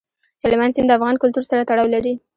هلمند سیند د افغان کلتور سره تړاو لري.